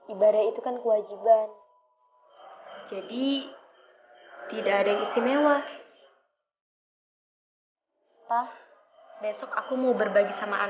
ibadah itu kan kewajiban